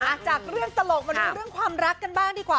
จากเรื่องตลกมาดูเรื่องความรักกันบ้างดีกว่า